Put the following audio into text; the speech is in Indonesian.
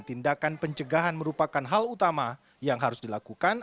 tindakan pencegahan merupakan hal utama yang harus dilakukan